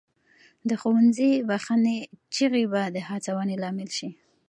د ښوونځي بخښنې چیغې به د هڅونې لامل سي.